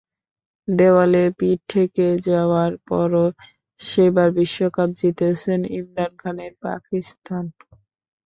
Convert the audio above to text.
দেয়ালে পিঠ ঠেকে যাওয়ার পরও সেবার বিশ্বকাপ জিতেছিল ইমরান খানের পাকিস্তান।